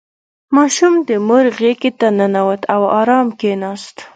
• ماشوم د مور غېږې ته ننوت او آرام کښېناست.